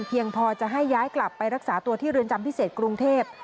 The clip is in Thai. เพียงพอจะให้ย้ายกลับไปรักษาตัวที่เรือนจำพิเศษกรุงเทพ